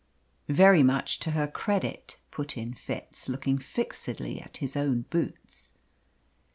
"Very much to her credit," put in Fitz, looking fixedly at his own boots.